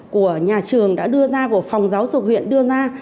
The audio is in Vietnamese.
của nhà trường đã đưa ra của phòng giáo dục huyện đưa ra